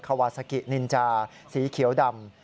วาซากินินจาสีเขียวดำ